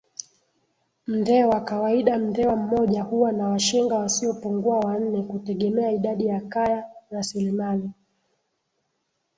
Mndewa kawaida Mndewa mmoja huwa na Washenga wasiopungua wanne kutegemea idadi ya kaya rasilimali